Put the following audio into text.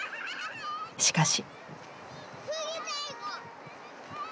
しかし。